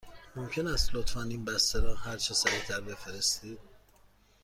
ممکن است لطفاً این بسته را هرچه سریع تر بفرستید؟